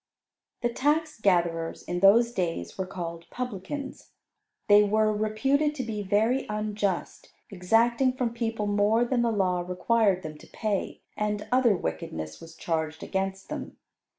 The tax gatherers in those days were called Publicans. They were reputed to be very unjust, exacting from people more than the law required them to pay, and other wickedness was charged against them.